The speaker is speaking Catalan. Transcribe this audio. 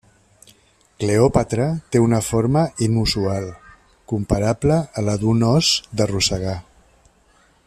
Cleòpatra té una forma inusual, comparable a la d'un os de rosegar.